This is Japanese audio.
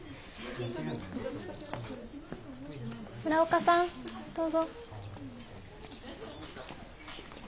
村岡さんどうぞ。